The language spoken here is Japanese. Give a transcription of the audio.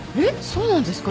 そうなんですか？